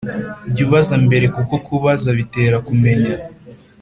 Jya ubaza mbere kuko kubaza bitera kumenya